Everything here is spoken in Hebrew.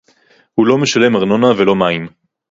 הוא לא משלם ארנונה ולא מים